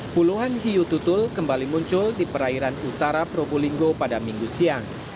puluhan hiu tutul kembali muncul di perairan utara probolinggo pada minggu siang